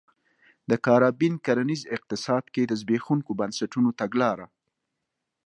د کارابین کرنیز اقتصاد کې د زبېښونکو بنسټونو تګلاره